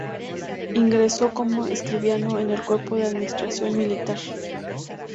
Ingresó como escribano en el Cuerpo de Administración Militar.